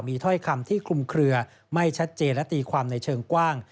มีถ้อยคำที่คลุมเคลือไม่ชัดเจนและตีความในเชิงกว้าง